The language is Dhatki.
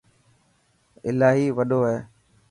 الاهي وڏو هي.